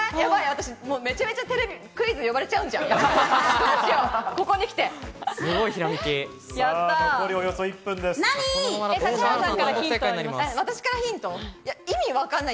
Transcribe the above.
私、めちゃくちゃテレビクイズ、呼ばれちゃうんじゃない？